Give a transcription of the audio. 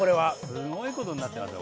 すごいことになってますよ